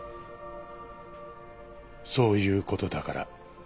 そういうことだから。